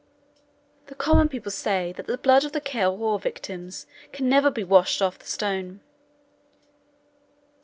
The common people say that the blood of the Ciar Mhor's victims can never be washed off the stone.